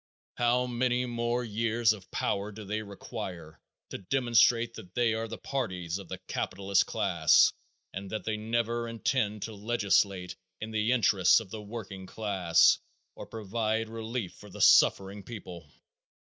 How many more years of power do they require to demonstrate that they are the parties of the capitalist class and that they never intend to legislate in the interest of the working class, or provide relief for the suffering people.